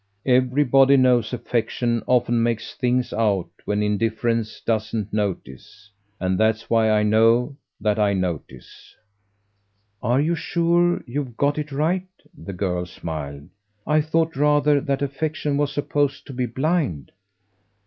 "Everybody knows affection often makes things out when indifference doesn't notice. And that's why I know that I notice." "Are you sure you've got it right?" the girl smiled. "I thought rather that affection was supposed to be blind."